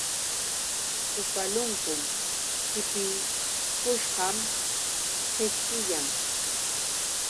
Kukalunkun qipikushqam qishpiyan.